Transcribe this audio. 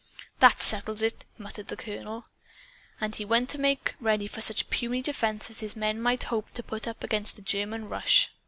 "That settles it!" muttered the colonel. And he went to make ready for such puny defense as his men might hope to put up against the German rush.